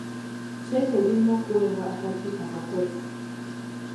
Ssente zirina okuweebwa akakiiko akakozi..